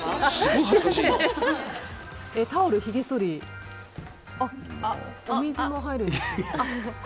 タオル、ひげそりお水も入るんですね。